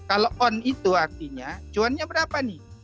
kalau on itu artinya cuannya berapa nih